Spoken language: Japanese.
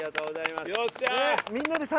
よっしゃ！